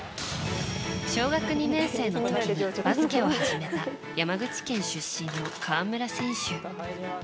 小学２年生の時にバスケを始めた山口県出身の河村選手。